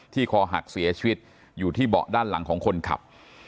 คอหักเสียชีวิตอยู่ที่เบาะด้านหลังของคนขับ